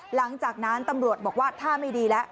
หลังจากนั้นตำรวจบอกว่าท่าไม่ดีแล้ว